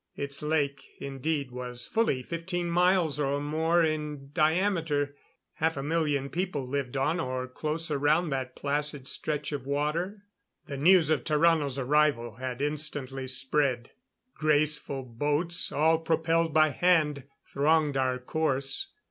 Its lake, indeed, was fully fifteen miles or more in diameter. Half a million people lived on or close around that placid stretch of water. The news of Tarrano's arrival had instantly spread. Graceful boats, all propelled by hand, thronged our course.